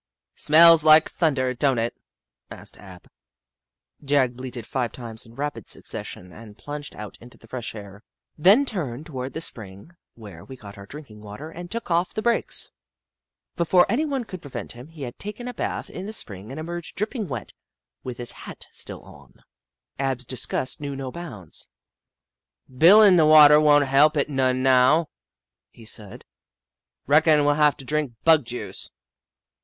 " Smells like thunder, don't it? " asked Ab. Jagg bleated five times in rapid succession and plunged out into the fresh air, then turned toward the spring where we got our drinking water and took off the brakes. Before any one could prevent him, he had taken a bath in the spring and emerged dripping wet, with his hat still on. Jagg,* the Skootaway Goat 47 Ab's disofust knew no bounds. " Bilin' the water won't help it none now," he said, " Reckon we '11 have to drink bug juice."